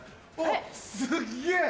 すっげぇ！